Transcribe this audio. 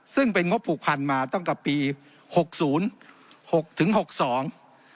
ซึ่งเป็นงบผูกพันมาตั้งแต่ปีหกศูนย์หกถึงหกสอง